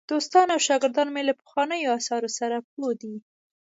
دوستان او شاګردان مې له پخوانیو آثارو سره پوه دي.